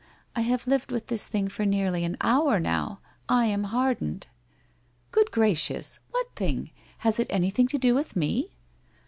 I have lived with this thing for nearly an hour now. I am hardened.' 'Good gracious! What tiling? Has it anything to do with me?'